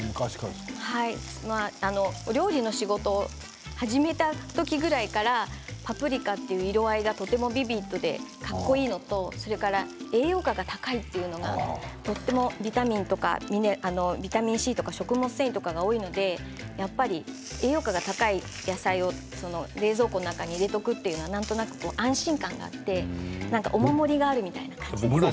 お料理の仕事を始めた時ぐらいからパプリカという色合いがとてもビビットで、かっこいいのとそれから栄養価が高いというのがとてもビタミンとかビタミンＣとか食物繊維とかが多いので栄養価が高い野菜を冷蔵庫の中に入れておくというのはなんとなく安心感があってお守り代わりみたいな感じです。